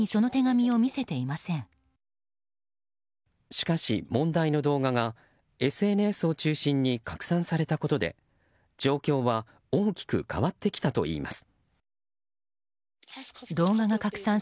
しかし問題の動画がＳＮＳを中心に拡散されたことで状況は大きく変わってきたといいます。